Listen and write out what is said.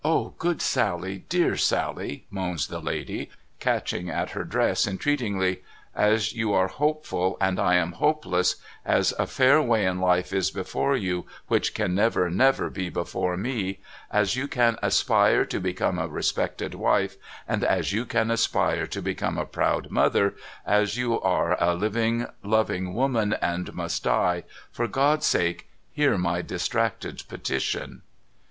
' O good Sally, dear Sally,' moans the lady, catching at her dress entreatingly. ' As you are hopeful, and I am hopeless ; as a fair way in life is before you, which can never, never, be before me ; as you can aspire to become a respected wife, and as you can aspire to become a proud mother, as you are a living loving woman, and must die ; for God's sake hear my distracted petition